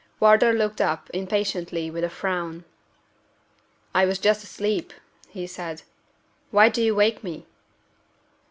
Wardour looked up, impatiently, with a frown. "I was just asleep," he said. "Why do you wake me?"